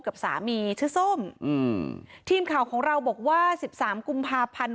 กับสามีชื่อส้มอืมทีมข่าวของเราบอกว่าสิบสามกุมภาพันธ์